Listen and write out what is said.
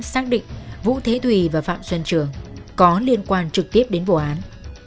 xác định vũ thế tùy và phạm xuân trường có liên quan trực tiếp đến vụ án